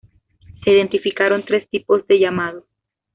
Se identificaron tres tipos de llamado.